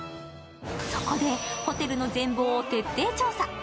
そこで、ホテルの全貌を徹底調査。